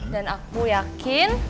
dan aku yakin